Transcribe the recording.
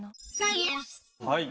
はい。